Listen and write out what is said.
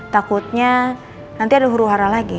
takutnya nanti ada huru hara lagi